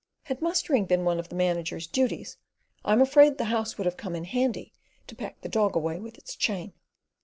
Had mustering been one of a manager's duties, I'm afraid the house would have "come in handy" to pack the dog away in with its chain.